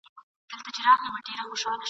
ورته ضرور دي دا دواړه توکي !.